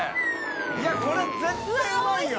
いやこれ絶対うまいよ。